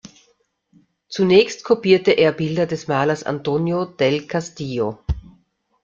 Zunächst kopierte er Bilder des Malers Antonio del Castillo.